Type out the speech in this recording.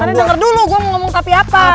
kalian denger dulu gue mau ngomong tapi apa